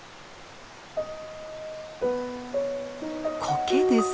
コケです。